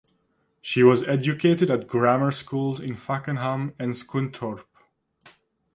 She was educated at grammar schools in Fakenham and Scunthorpe.